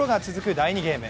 第２ゲーム。